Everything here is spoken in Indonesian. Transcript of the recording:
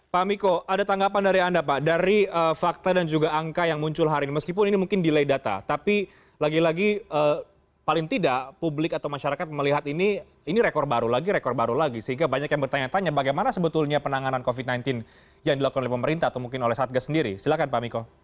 pak miko ada tanggapan dari anda pak dari fakta dan juga angka yang muncul hari ini meskipun ini mungkin delay data tapi lagi lagi paling tidak publik atau masyarakat melihat ini rekor baru lagi rekor baru lagi sehingga banyak yang bertanya tanya bagaimana sebetulnya penanganan covid sembilan belas yang dilakukan oleh pemerintah atau mungkin oleh satgas sendiri silahkan pak miko